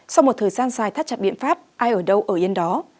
sau một thời gian dài thắt chặt biện pháp ai ở đâu ở yên đó